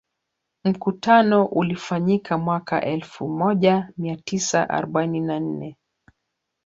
Mkutano ulifanyika mwaka wa elfu moja mia tisa arobaini na nne